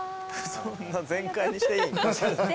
そんな全開にしていい？